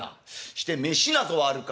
して飯なぞはあるか？」。